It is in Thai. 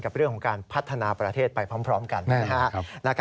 กับเรื่องของการพัฒนาประเทศไปพร้อมกันนะครับ